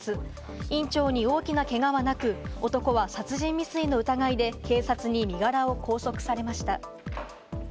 院長に大きなけがはなく、男は殺人未遂の疑いで警察に身柄を拘束されました。